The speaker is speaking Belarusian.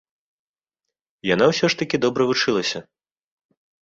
Яна ўсё ж такі добра вучылася.